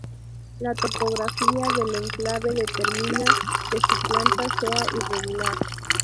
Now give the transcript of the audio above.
La topografía del enclave determina que su planta sea irregular.